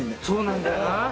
そうなんだよな。